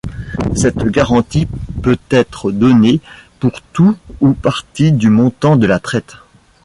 Cette garantie peut être donnée pour tout ou partie du montant de la traite.